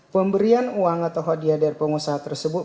pemberian uang atau hadiah dari pengusaha tersebut